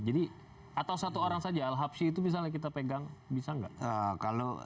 jadi atau satu orang saja al habshi itu misalnya kita pegang bisa nggak